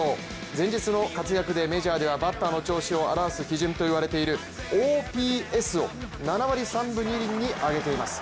前日の活躍でメジャーではバッターの調子を表す基準といわれているＯＰＳを７割３分２厘に上げています。